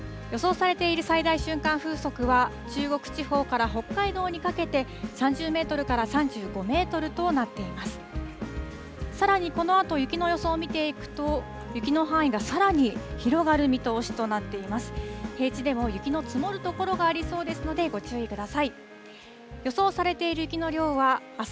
さらにこのあと雪の予想を見ていくと、雪の範囲がさらに広がる見通しとなっています。